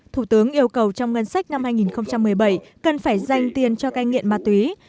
thủ tướng yêu cầu trong ngân sách năm hai nghìn một mươi bảy cần phải dành tiền cho cai nghiện ma túy